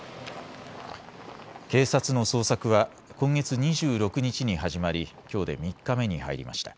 警察の捜索は今月２６日に始まりきょうで３日目に入りました。